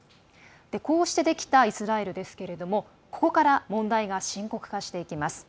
こうしてできたイスラエルですがここから問題が深刻化していきます。